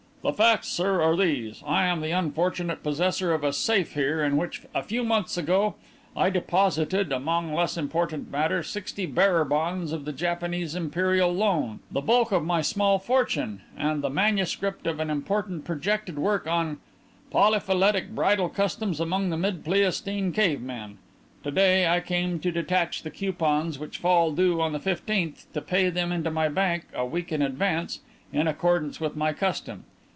"The facts, sir, are these: I am the unfortunate possessor of a safe here, in which, a few months ago, I deposited among less important matter sixty bearer bonds of the Japanese Imperial Loan the bulk of my small fortune and the manuscript of an important projected work on 'Polyphyletic Bridal Customs among the mid Pleistocene Cave Men.' To day I came to detach the coupons which fall due on the fifteenth, to pay them into my bank a week in advance, in accordance with my custom.